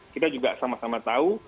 kita juga sama sama tahu